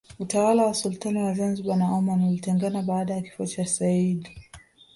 Utawala wa Sultan wa Zanzibar na Oman ulitengana baada ya kifo cha Seyyid